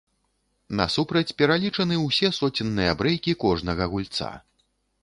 Насупраць пералічаны ўсе соценныя брэйкі кожнага гульца.